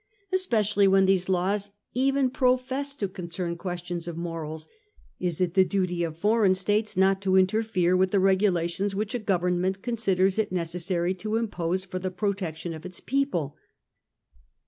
Especially when these laws even profess to concern questions of morals, is it the duty of foreign States not to interfere with the regulations which a government considers it necessary to impose for the protection of its people.